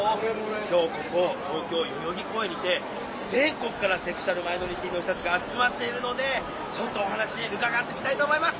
今日ここ東京代々木公園にて全国からセクシュアルマイノリティーの人たちが集まっているのでちょっとお話伺ってきたいと思います。